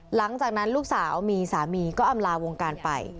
หลังจากนั้นลูกสาวมีสามีก็อำลาวงการไป